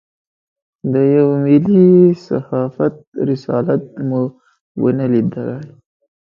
د یوه ملي صحافت رسالت مو ونه لېدای.